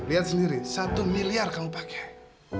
lihat sendiri satu miliar kamu pakai